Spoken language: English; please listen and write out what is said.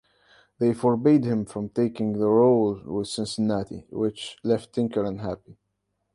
They forbade him from taking the role with Cincinnati, which left Tinker unhappy.